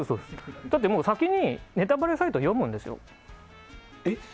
だって、先にネタバレサイトを読むんですよ。